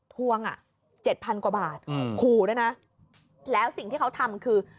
ทวงอ่ะ๗๐๐กว่าบาทขู่ด้วยนะแล้วสิ่งที่เขาทำคือ